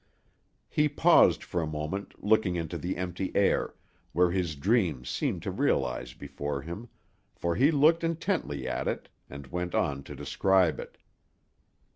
He paused for a moment, looking into the empty air, where his dream seemed to realize before him, for he looked intently at it, and went on to describe it.